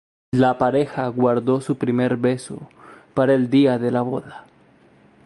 La pareja guardó su primer beso para el día de la boda.